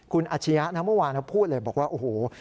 คุณอาชียะนะเมื่อวานพูดเลยบอกว่าโอ้โห